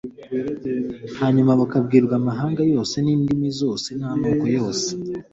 hanyuma bukabwirwa amahanga yose n'indimi zose n'amoko yose.